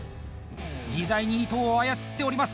自在に糸を操っております。